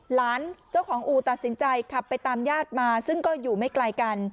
หลานเจ้าของอู่ตัดสินใจขับไปตามญาติมาซึ่งก็อยู่ไม่ไกลกัน